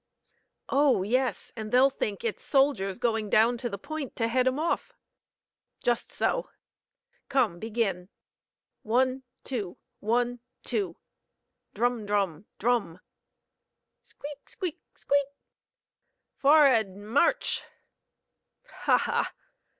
"Oh, yes; and they'll think it's soldiers going down to the Point to head 'em off." "Just so. Come, begin! One, two, one, two!" Drum! drum!! drum!!! Squeak! squeak!! squeak!!! "For'ard march!" "Ha! ha!"